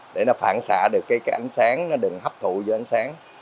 để nó phản xạ được ánh sáng nó được hấp thụ với ánh sáng